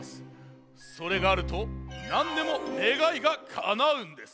それがあるとなんでもねがいがかなうんです。